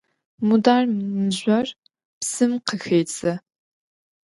Мудар мыжъор псым къыхедзы.